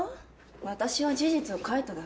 私は事実を書いただけ。